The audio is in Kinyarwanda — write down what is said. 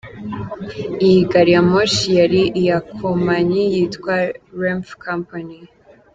Iyi gariyamoshi yari iya kompanyi yitwa Renfe company.